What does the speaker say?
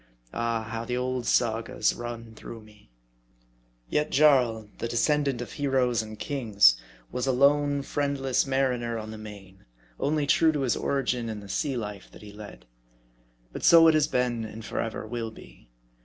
Ah ! how the old Sagas run through me ! Yet Jarl, the descendant of heroes and kings, was a lone, friendless mariner on the main, only true to his origin in the sea life that he led. But so it has been, and forever will be.